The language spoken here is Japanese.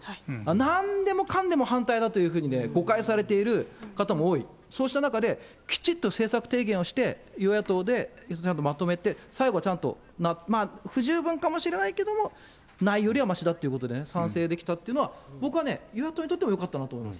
なんでもかんでも反対だというふうにね、誤解されている方も多い、そうした中で、きちっと政策提言をして、与野党でちゃんとまとめて、最後はちゃんと、まあ、不十分かもしれないけれど、ないよりはましだということで、賛成できたというのは、僕はね、与野党にとってもよかったと思います。